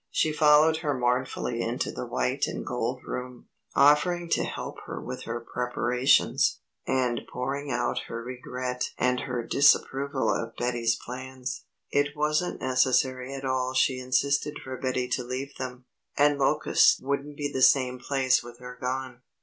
She followed her mournfully into the white and gold room, offering to help her with her preparations, and pouring out her regret and her disapproval of Betty's plans. It wasn't necessary at all she insisted for Betty to leave them, and Locust wouldn't be the same place with her gone.